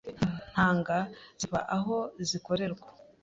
intanga ziva aho zikorerwa